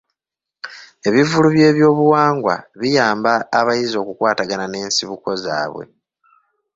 Ebivvulu by'ebyobuwangwa biyamba abayizi okukwatagana n'ensibuko zaabwe.